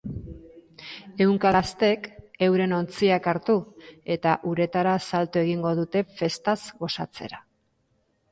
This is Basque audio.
Ehunka gaztek euren ontziak hartu eta uretara salto egingo dute, festaz gozatzera.